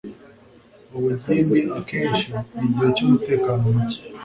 Ubugimbi akenshi ni igihe cyumutekano muke.